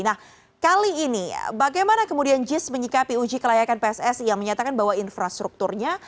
nah kali ini bagaimana kemudian jis menyikapi uji kelayakan pssi yang menyatakan bahwa infrastrukturnya